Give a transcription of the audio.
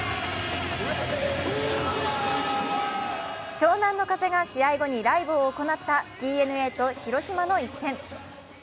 湘南乃風が試合後にライブを行ったＤｅＮＡと広島の一戦。